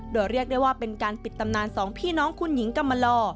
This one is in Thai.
โดยเรียกได้ว่าเป็นการปิดตำนานสองพี่น้องคุณหญิงกำมาลอ